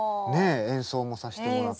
演奏もさせてもらって。